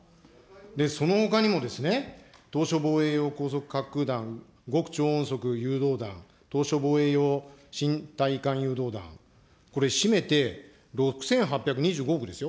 そのほかにもですね、島しょ防衛用高速滑空弾、極超音速誘導弾、島しょ防衛用新対艦誘導弾、これ、しめて６８２５億ですよ。